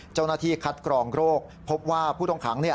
เจ้าหน้าที่คัดกรองโรคพบว่าผู้ต้องขัง